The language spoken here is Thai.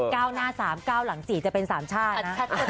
กล้าวหน้า๓กล้าวหลัง๔จะเป็น๓ชาตินะ